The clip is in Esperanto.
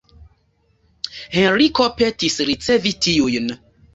Henriko petis ricevi tiujn.